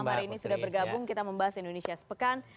malam hari ini sudah bergabung kita membahas indonesia sepekan